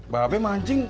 baba ya mancing